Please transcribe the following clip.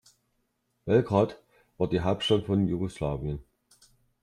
Belgrad war die Hauptstadt von Jugoslawien.